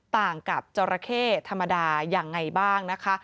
ต่างกับจราเข้ธรรมดายังไงบ้างนะคะ